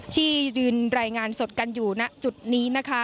ที่ยืนรายงานสดกันอยู่ณจุดนี้นะคะ